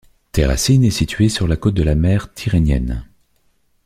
Terracine est située sur la côte de la mer Tyrrhénienne.